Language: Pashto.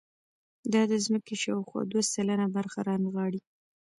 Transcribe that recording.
دا د ځمکې شاوخوا دوه سلنه برخه رانغاړي.